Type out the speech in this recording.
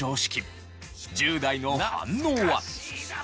１０代の反応は？